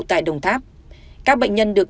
tại đồng tháp các bệnh nhân được